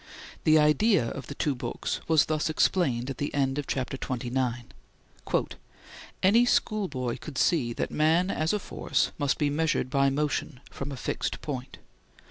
The idea of the two books was thus explained at the end of Chapter XXIX: "Any schoolboy could see that man as a force must be measured by motion from a fixed point.